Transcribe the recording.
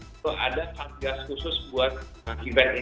itu ada satgas khusus buat event ini